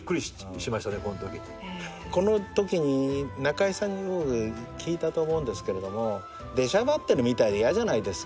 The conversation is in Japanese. このときに中井さんに聞いたと思うんですけれども出しゃばってるみたいでやじゃないですか。